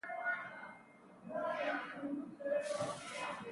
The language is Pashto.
د توکو پر لېږد رالېږد تعرفه لګول شوې وه.